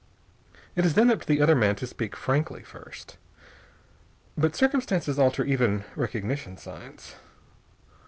It is then up to the other man to speak frankly, first. But circumstances alter even recognition signs.